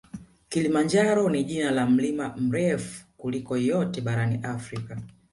Kilimanjaro ni jina la mlima mrefu kuliko yote barani Afrika